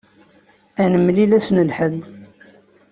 Ad nemlil ass n Lḥedd.